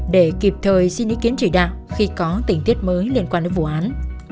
để kịp thời xin ý kiến chỉ đạo khi có tình tiết mới liên quan đến vụ án